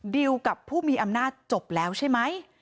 ดิวกับผู้มีอำนาจจบแล้วใช่ไหม